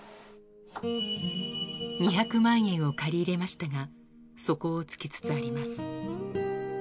２００万円を借り入れましたが、底を尽きつつあります。